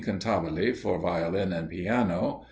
Cantabile for Violin and Piano.